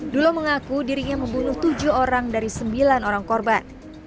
dulo mengaku dirinya membunuh tujuh orang dari sembilan orang korban